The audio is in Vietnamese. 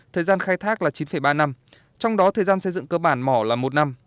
thời gian khai thác là chín ba năm trong đó thời gian xây dựng cơ bản mỏ là một năm